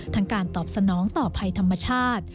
การตอบสนองต่อภัยธรรมชาติ